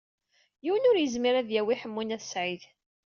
Yiwen ur yezmir ad yawi Ḥemmu n At Sɛid.